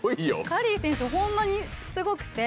カリー選手ホンマにすごくて。